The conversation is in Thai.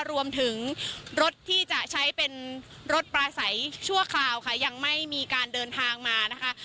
รวมถึงรถที่จะใช้เป็นรถปลาใสชั่วคราวค่ะยังไม่มีการเดินทางมานะคะ